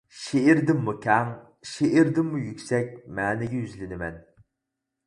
شېئىردىنمۇ كەڭ، شېئىردىنمۇ يۈكسەك مەنىگە يۈزلىنىمەن.